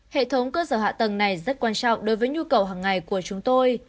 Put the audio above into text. hệ thống cơ sở hạ tầng này rất quan trọng đối với nhu cầu hàng ngày của chúng tôi